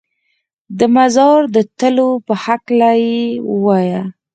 د مزار د تلو په هکله یې ووایه.